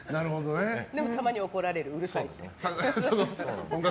でも、たまに怒られるうるさいって。